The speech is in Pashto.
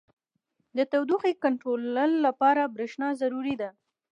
• د تودوخې کنټرول لپاره برېښنا ضروري ده.